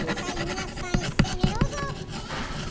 皆さん一斉にどうぞ！